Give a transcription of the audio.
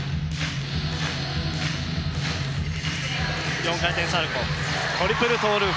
４回転サルコートリプルトーループ。